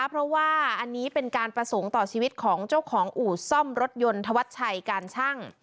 เพราะว่าอันนี้เป็นการประสงค์ต่อชีวิตของเจ้าของอู่ซ่อมรถยนต์ธวัชชัยการชั่ง